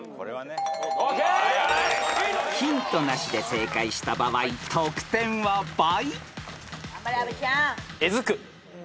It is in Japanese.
［ヒントなしで正解した場合得点は倍］